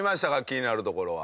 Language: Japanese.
気になるところは。